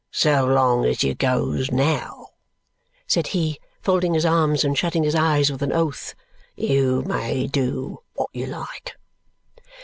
"So long as you goes now," said he, folding his arms and shutting his eyes with an oath, "you may do wot you like!"